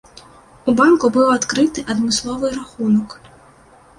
У банку быў адкрыты адмысловы рахунак.